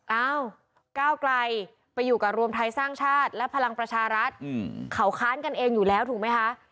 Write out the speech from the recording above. เอ้าก้าวไกลไปอยู่กับรวมไทยสร้างชาติและพลังประชารัฐเขาค้านกันเองอยู่แล้วถูกไหมคะ